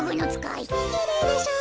きれいでしょ。